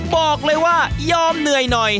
บอกเลยว่ายอมเหนื่อยหน่อย